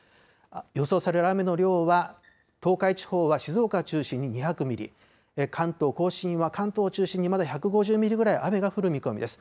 予想される雨の量は、東海地方は静岡中心に２００ミリ、関東甲信は関東を中心にまだ１５０ミリぐらい雨が降る見込みです。